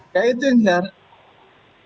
ya itu yang diharapkan